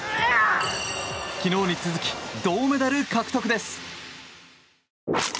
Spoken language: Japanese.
昨日に続き銅メダル獲得です。